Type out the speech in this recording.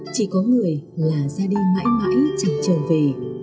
chỉ có người là ra đi mãi mãi chẳng trở về